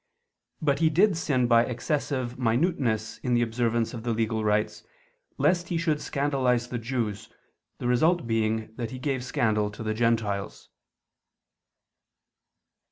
But he did sin by excessive minuteness in the observance of the legal rites lest he should scandalize the Jews, the result being that he gave scandal to the Gentiles.